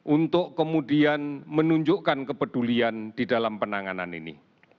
untuk kemudian menunjukkan kepedulian di dalam penanganan ini